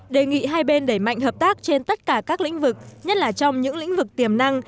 đề nghị hai bên đẩy mạnh hợp tác trên tất cả các lĩnh vực nhất là trong những lĩnh vực tiềm năng